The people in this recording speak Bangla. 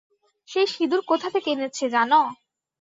সেই সিঁদুর কোথা থেকে এনেছে জান?